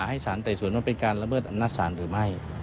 ให้สารไต่สวนว่าเป็นการละเมิดอำนาจศาลหรือไม่